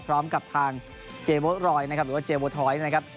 พร้อมกับทางเจโวทรอยหรือว่าเจโวทรอยนะครับ